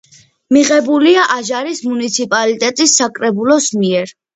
მიღებულია აჟარის მუნიციპალიტეტის საკრებულოს მიერ.